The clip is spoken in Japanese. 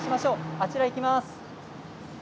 あちらに行きます。